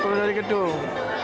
turun dari gedung